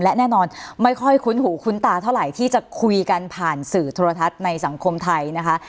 และแน่นอนไม่ค่อยคุ้นหูคุ้นตาเท่าไหร่ที่จะคุยกันผ่านสื่อโทรทัศน์ในสังคมไทยนะคะ